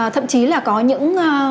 thậm chí là có những